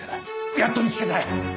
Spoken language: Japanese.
やっと見つけたよ。